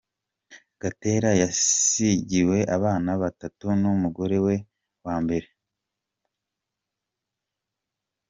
Gatera yasigiwe abana batatu n’umugore we wa mbere.